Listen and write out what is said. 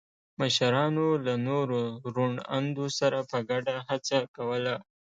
مشرانو له نورو روڼ اندو سره په ګډه هڅه کوله.